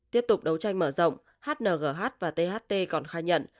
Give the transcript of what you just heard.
tiếp tục đấu tranh mở rộng hngh và tht còn khai nhận